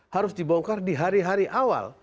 harus dibongkar di hari hari awal